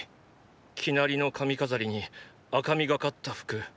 生成りの髪飾りに赤みがかった服。